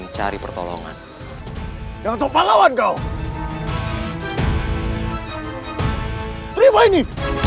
mencari pertolongan yang sopan lawan kau terima ini